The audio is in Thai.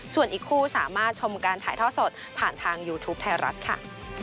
ส่วนอีกคู่สามารถชมการถ่ายท่อสดผ่านทางยูทูปไทยรัฐค่ะ